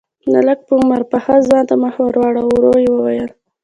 ملک په عمر پاخه ځوان ته مخ ور واړاوه، ورو يې وويل: